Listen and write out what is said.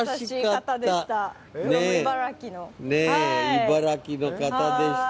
優しい方でした。